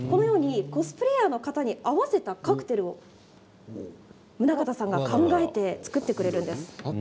コスプレーヤーの方に合わせたカクテルを宗像さんが考えて作ってくれるんです。